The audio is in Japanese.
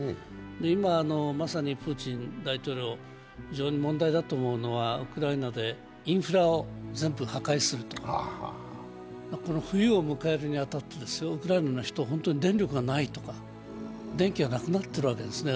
今、まさにプーチン大統領、非常に問題だと思うのは、ウクライナでインフラを全部破壊すると、冬を迎えるに当たって、ウクライナの人は電力がないとか、電気がなくなってるわけですね。